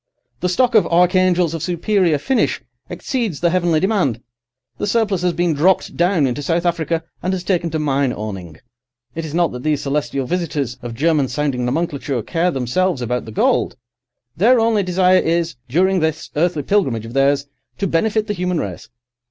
The stock of archangels of superior finish exceeds the heavenly demand; the surplus has been dropped down into South Africa and has taken to mine owning. It is not that these celestial visitors of German sounding nomenclature care themselves about the gold. Their only desire is, during this earthly pilgrimage of theirs, to benefit the human race.